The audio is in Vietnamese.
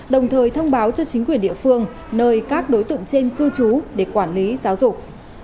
đồng thời thông báo cho chính quyền địa phương nơi các đối tượng trên cư trú để quản lý giáo dục